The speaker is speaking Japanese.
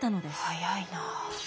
早いな。